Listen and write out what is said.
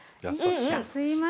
すいません。